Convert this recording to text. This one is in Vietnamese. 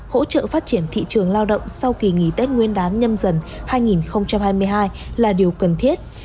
hỗ trợ phát triển thị trường lao động sau kỳ nghỉ tết nguyên đán nhâm dần hai nghìn hai mươi hai là điều cần thiết